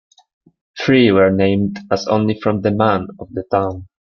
Three were named, as only from the "Man" of the town.